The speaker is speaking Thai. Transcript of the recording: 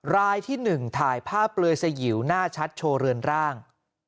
รายที่๑ถ่ายภาพเปลือยสยิวหน้าชัดโชว์เรือนร่าง